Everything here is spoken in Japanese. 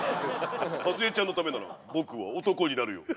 カズエちゃんのためなら僕は男になるよ